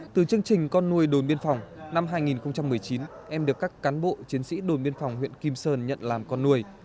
từ chương trình con nuôi đồn biên phòng năm hai nghìn một mươi chín em được các cán bộ chiến sĩ đồn biên phòng huyện kim sơn nhận làm con nuôi